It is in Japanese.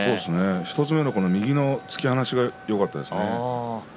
ひとつ、右の突き放しがよかったですね。